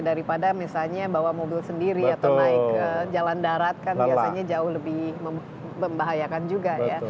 daripada misalnya bawa mobil sendiri atau naik ke jalan darat kan biasanya jauh lebih membahayakan juga ya